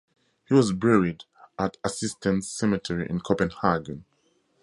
He was buried at Assistens Cemetery in Copenhagen.